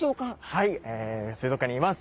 はい水族館にいます。